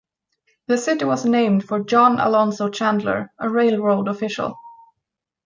The city was named for John Alonzo Chandler, a railroad official.